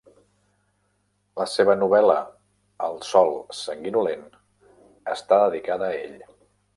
La seva novel·la "El sol sanguinolent" està dedicada a ell.